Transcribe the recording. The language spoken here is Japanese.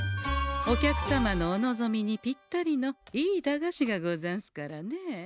お客様のお望みにぴったりのいい駄菓子がござんすからね。